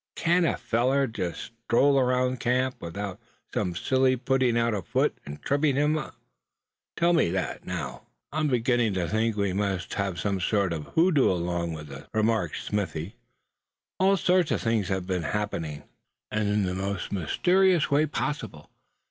"Can't a feller just stroll around camp without some silly putting out a foot, and tripping him up? Tell me that, now?" "I'm beginning to think we must have some sort of a hoodoo along with us," remarked Smithy, anxiously. "All sorts of things seem to be happening, and in the most mysterious way possible.